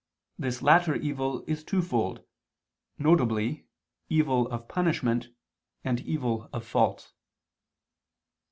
This latter evil is twofold, viz. evil of punishment, and evil of fault.